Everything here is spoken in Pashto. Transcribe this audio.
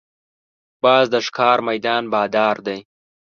باز د ښکار میدان بادار دی